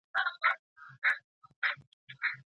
په لاس خط لیکل د هیري ناروغۍ لپاره ښه درمل دی.